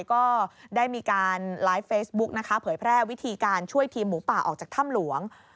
ก็ได้มีการไลฟ์เฟซบุ๊กนะคะเผยแพร่วิธีการช่วยทีมหมูป่าออกจากถ้ำหลวง